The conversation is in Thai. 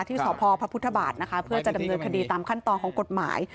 ที่สพพระพุทธบาทนะคะเพื่อจะดำเนินคดีตามขั้นตอนของกฎหมาย